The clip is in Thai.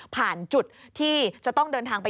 ผ่านจุดที่จะต้องเดินทางไป